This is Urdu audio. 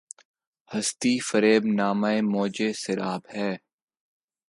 ہستی‘ فریب نامۂ موجِ سراب ہے